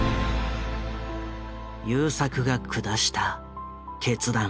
優作が下した決断。